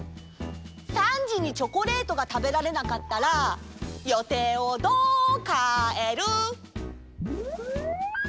３じにチョコレートがたべられなかったら予定をどうかえる？